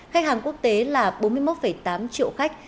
khách hàng quốc tế là bốn mươi một tám triệu khách